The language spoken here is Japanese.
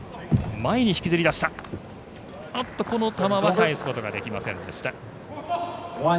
返すことができませんでした。